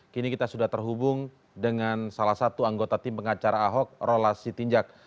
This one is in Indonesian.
kini kita sudah terhubung dengan salah satu anggota tim pengacara ahok rola sitinjak